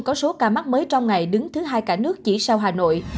có số ca mắc mới trong ngày đứng thứ hai cả nước chỉ sau hà nội